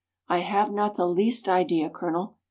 " I have not the least idea, Colonel."